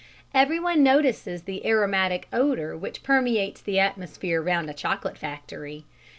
Everyone notices the aromatic odour which permeates the atmosphere round a chocolate factory.